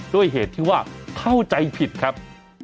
ด้วยเหตุที่ว่าเข้าใจผิดครับ